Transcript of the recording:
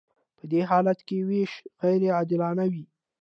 په دې حالت کې ویش غیر عادلانه وي.